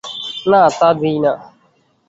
না, তা দিই না।